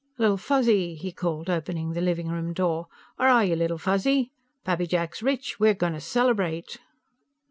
"Little Fuzzy!" he called, opening the living room door. "Where are you, Little Fuzzy? Pappy Jack's rich; we're going to celebrate!"